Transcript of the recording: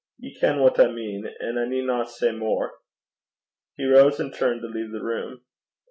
Ye ken what I mean, an' I needna say mair.' He rose and turned to leave the room.